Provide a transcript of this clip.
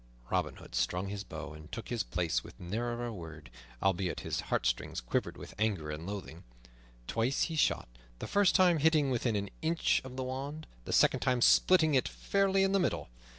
Robin Hood strung his bow and took his place with never a word, albeit his heartstrings quivered with anger and loathing. Twice he shot, the first time hitting within an inch of the wand, the second time splitting it fairly in the middle.